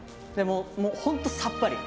本当にさっぱりと。